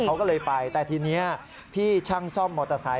เขาก็เลยไปแต่ทีนี้พี่ช่างซ่อมมอเตอร์ไซค